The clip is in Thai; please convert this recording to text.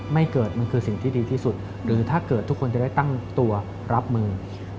ไม่เกิดมันคือสิ่งที่ดีที่สุดหรือถ้าเกิดทุกคนจะได้ตั้งตัวรับมือ